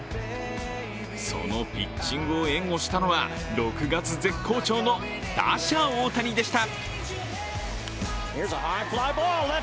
そのピッチングを援護したのは６月絶好調の打者・大谷でした。